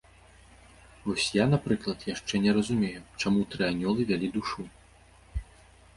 Вось я, напрыклад, яшчэ не разумею, чаму тры анёлы вялі душу.